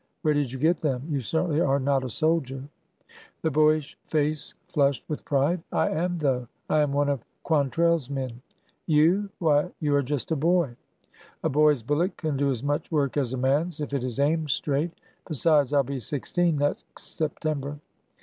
Where did you get them? You certainly are not a soldier." The boyish face flushed with pride. I am, though 1 I am one of Quantrell's men." You ? Why, you are just a boy 1 " A boy's bullet can do as much work as a man's if it is aimed straight ! Besides, I 'll be sixteen next Sep tember."